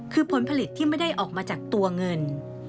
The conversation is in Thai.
คือผลผลิตที่ไม่ได้ออกมาจากตัวเงิน